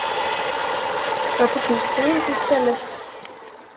Varför skiter du inte istället?